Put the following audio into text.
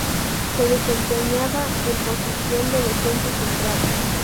Se desempeñaba en posición de defensa central.